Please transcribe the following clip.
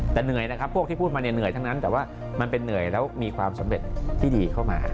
แต่เหนื่อยนะครับพวกที่พูดมาเนี่ยเหนื่อยทั้งนั้นแต่ว่ามันเป็นเหนื่อยแล้วมีความสำเร็จที่ดีเข้ามา